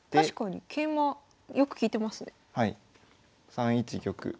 ３一玉。